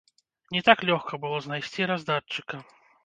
Не так лёгка было знайсці раздатчыка.